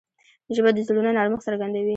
ژبه د زړونو نرمښت څرګندوي